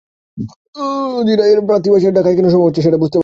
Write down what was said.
দিরাইয়ের প্রার্থী বাছাইয়ে ঢাকায় কেন সভা হচ্ছে, সেটা বুঝতে পারছি না।